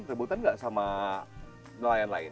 rebutan nggak sama nelayan lain